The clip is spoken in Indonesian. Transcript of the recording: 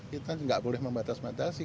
kita tidak boleh membatasi batasi